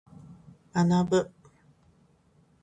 学ぶ。